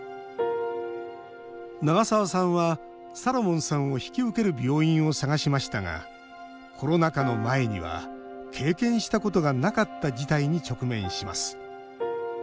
長澤さんは、サロモンさんを引き受ける病院を探しましたがコロナ禍の前には経験したことがなかった事態に直面します。